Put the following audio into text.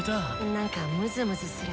何かムズムズする。